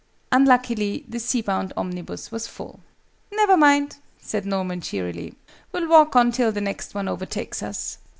Unluckily, the sea bound omnibus was full. "Never mind!" said Norman, cheerily. "We'll walk on till the next one overtakes us."